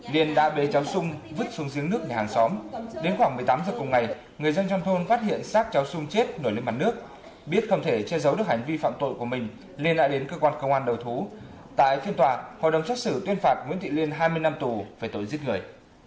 liên đã bế cháu sung vứt xuống giếng nước nhà hàng xóm đến khoảng một mươi tám h cùng ngày người dân trong thôn phát hiện xác cháu sung chết nổi lên mặt nước biết không thể che giấu được hành vi phạm tội của mình nên đã đến cơ quan công an đầu thú tại phiên tòa hội đồng xét xử tuyên phạt nguyễn thị liên hai mươi năm tù về tội giết người